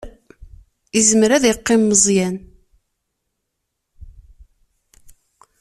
Izmer ad yeqqim Meẓyan.